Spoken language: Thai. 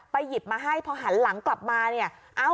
ไปหยิบมาให้พอหันหลังกลับมา